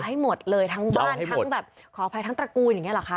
คือกลับว่าจะเอาให้หมดเลยทั้งบ้านขออภัยทั้งตระกูลอย่างนี้หรอคะ